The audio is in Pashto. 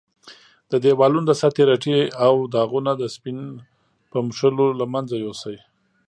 د دېوالونو د سطحې رټې او داغونه د سپین په مښلو له منځه یوسئ.